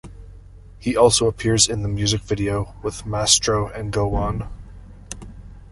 He also appears in the music video with Maestro and Gowan.